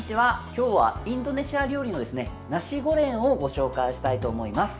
今日はインドネシア料理のナシゴレンをご紹介したいと思います。